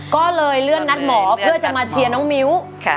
ก็เลยเลื่อนนัดหมอเพื่อจะมาเชียร์น้องมิ้ว